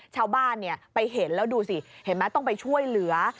ชาวบ้านไปเห็นแล้วดูสิเห็นไหมต้องไปช่วยเหลือ